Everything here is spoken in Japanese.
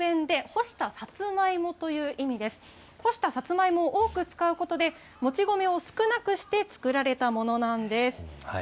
干したさつまいもを多く使うことで、もち米を少なくして作られたものなんです。